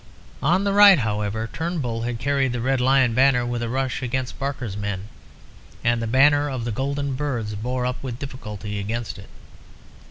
On the right, however, Turnbull had carried the Red Lion banner with a rush against Barker's men, and the banner of the Golden Birds bore up with difficulty against it.